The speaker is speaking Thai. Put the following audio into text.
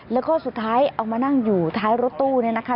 แล้วก็สุดท้ายเอามานั่งอยู่ท้ายรถตู้เนี่ยนะคะ